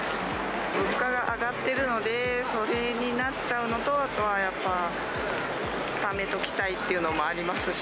物価が上がってるので、それになっちゃうのと、あとはやっぱ、ためときたいっていうのもありますし。